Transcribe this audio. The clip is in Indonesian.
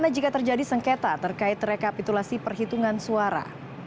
jika terjadi sengketa terkait rekapitulasi perhitungan suara